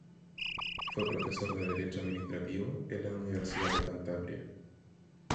Fue profesor de Derecho Administrativo en la Universidad de Cantabria.